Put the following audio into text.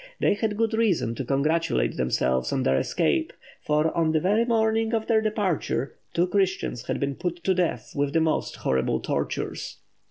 They had good reason to congratulate themselves on their escape, for on the very morning of their departure, two Christians had been put to death with the most horrible tortures.